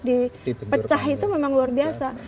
dipecah itu memang luar biasa